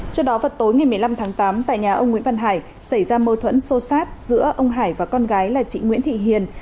trước đó vào tối ngày một mươi năm tháng tám tại nhà ông nguyễn văn hải xảy ra mâu thuẫn sô sát giữa ông hải và con gái là chị nguyễn thị hiền